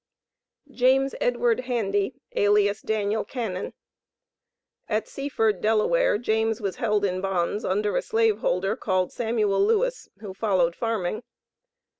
JAMES EDWARD HANDY, alias DANIEL CANON. At Seaford, Delaware, James was held in bonds under a Slave holder called Samuel Lewis, who followed farming.